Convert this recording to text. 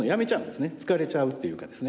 疲れちゃうっていうかですね。